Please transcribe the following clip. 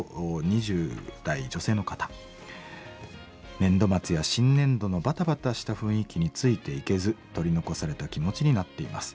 「年度末や新年度のバタバタした雰囲気についていけず取り残された気持ちになっています。